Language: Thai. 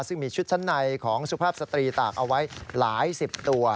ซึ่งมีชุดชั้นในของสุภาพสตรีตากเอาไว้หลายสิบตัว